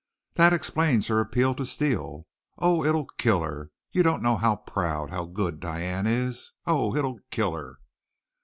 "This explains her appeal to Steele. Oh, it'll kill her! You don't know how proud, how good Diane is. Oh, it'll kill her!"